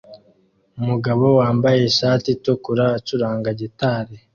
Umugabo wambaye ishati itukura acuranga gitari